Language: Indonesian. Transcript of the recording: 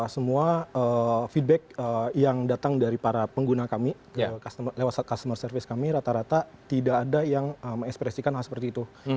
semua feedback yang datang dari para pengguna kami lewat customer service kami rata rata tidak ada yang mengekspresikan hal seperti itu